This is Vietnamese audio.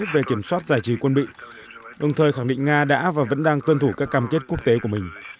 về kiểm soát giải trí quân bị đồng thời khẳng định nga đã và vẫn đang tuân thủ các cam kết quốc tế của mình